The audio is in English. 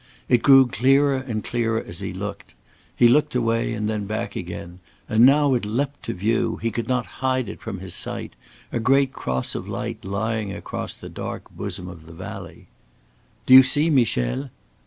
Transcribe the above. It grew clearer and clearer as he looked; he looked away and then back again, and now it leapt to view, he could not hide it from his sight, a great cross of light lying upon the dark bosom of the valley. "Do you see, Michel?"